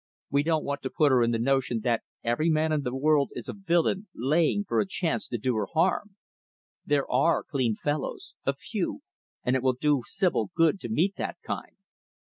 We don't want to put her in the notion that every man in the world is a villain laying for a chance to do her harm. There are clean fellows a few and it will do Sibyl good to meet that kind."